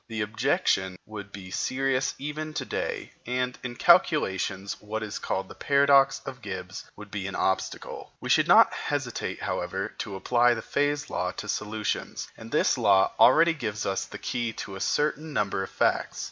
The objection would be serious even to day, and, in calculations, what is called the paradox of Gibbs would be an obstacle. We should not hesitate, however, to apply the Phase Law to solutions, and this law already gives us the key to a certain number of facts.